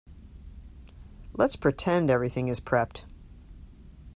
Let's pretend everything is prepped.